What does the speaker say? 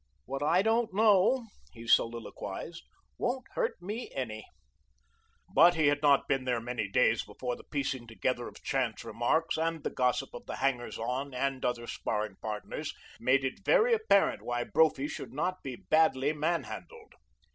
"What I don't know," he soliloquized, "won't hurt me any." But he had not been there many days before the piecing together of chance remarks and the gossip of the hangers on and other sparring partners made it very apparent why Brophy should not be badly man handled.